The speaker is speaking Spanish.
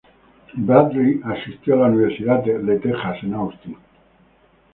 Bradley asistió a la Universidad de Texas en Austin.